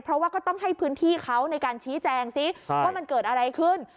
เพราะว่าก็ต้องให้พื้นที่เขาในการชี้แจงซิว่ามันเกิดอะไรขึ้น